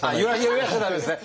揺らしちゃ駄目ですね。